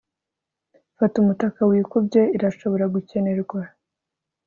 fata umutaka wikubye. irashobora gukenerwa